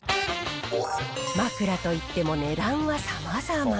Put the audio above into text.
枕といっても値段はさまざま。